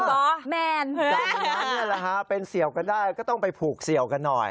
แมนดังนั้นนี่แหละฮะเป็นเสี่ยวกันได้ก็ต้องไปผูกเสี่ยวกันหน่อย